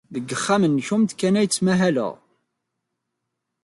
Deg uxxam-nwent kan ay ttmahaleɣ.